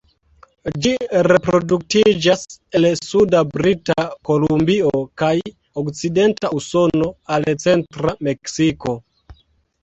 Ĝi reproduktiĝas el suda Brita Kolumbio kaj okcidenta Usono al centra Meksiko.